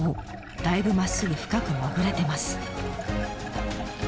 だいぶまっすぐ深く潜れてます。